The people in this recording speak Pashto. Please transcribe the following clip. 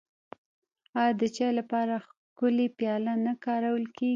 آیا د چای لپاره ښکلې پیالې نه کارول کیږي؟